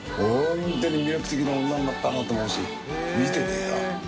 本当に魅力的な女になったなと思うし。